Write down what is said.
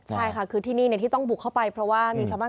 ใช่ค่ะคือที่นี่เนี้ยที่ต้องบุคเข้าไปเพราะว่ามีสัมมนต์